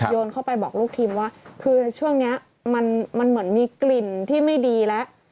โยนเข้าไปบอกลูกทีมว่าคือช่วงนี้มันเหมือนมีกลิ่นที่ไม่ดีแล้ว